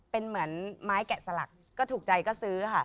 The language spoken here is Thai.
เป็นเหมือนไม้แกะสลักก็ถูกใจก็ซื้อค่ะ